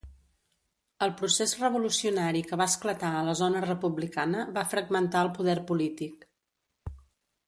El procés revolucionari que va esclatar a la zona republicana va fragmentar el poder polític.